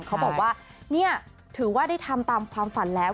เขาบอกว่านี่ถือว่าได้ทำตามความฝันแล้ว